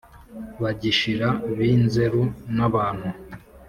bagishira bi nzeru nabantu